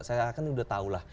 saya kan sudah tahu lah